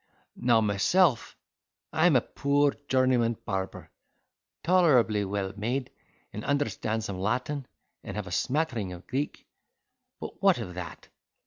Now myself, I am a poor journeyman barber, tolerably well made and understand some Latin, and have a smattering of Greek; but what of that?